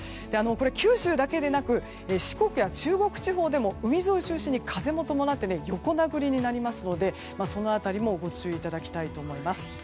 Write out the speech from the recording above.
九州だけでなく四国や中国地方でも海沿い中心に風を伴って横殴りになりますのでご注意いただきたいと思います。